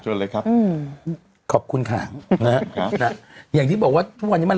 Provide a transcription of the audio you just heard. เลยครับอืมขอบคุณค่ะนะฮะอย่างที่บอกว่าทุกวันนี้มัน